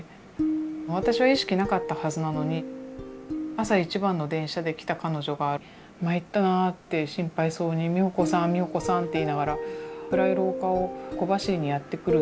私は意識なかったはずなのに朝一番の電車で来た彼女が「参ったなあ」って心配そうに「美穂子さん美穂子さん」って言いながら暗い廊下を小走りにやって来る